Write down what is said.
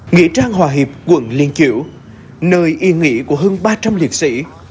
nghĩa trang hòa hiệp quận liên kiểu nơi yên nghỉ của hơn ba trăm linh liệt sĩ